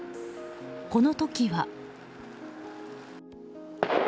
この時は。